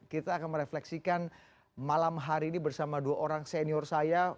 kita akan merefleksikan malam hari ini bersama dua orang senior saya